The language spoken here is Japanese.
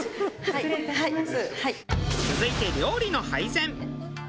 失礼いたします。